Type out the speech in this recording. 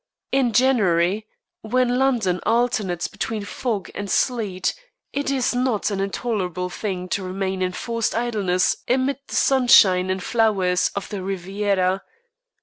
In January, when London alternates between fog and sleet, it is not an intolerable thing to remain in forced idleness amid the sunshine and flowers of the Riviera.